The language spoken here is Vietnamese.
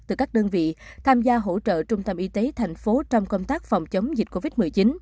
từ các đơn vị tham gia hỗ trợ trung tâm y tế thành phố trong công tác phòng chống dịch covid một mươi chín